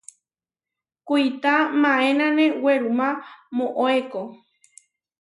Kuitá maénane werumá moʼóeko.